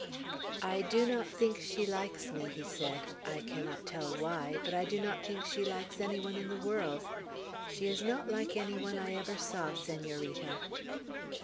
"I do not think she likes me," he said. "I cannot tell why; but I do not think she likes any one in the world. She is not like any one I ever saw, Senorita."